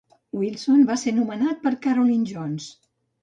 Wilson i va ser nomenat per Caroline Jones.